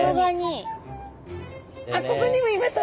あっここにもいました！